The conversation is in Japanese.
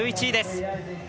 １１位です。